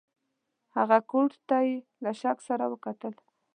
هغه کوټ ته یې له شک سره وکتل.